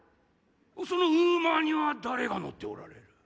そのウマには誰が乗っておられる？